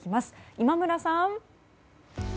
今村さん。